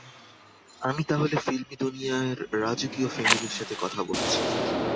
আমি তাহলে ফিল্মি দুনিয়ার রাজকীয় ফ্যামিলির সাথে কথা বলছি।